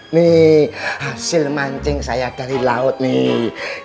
mie hasil mancing saya dari laut nih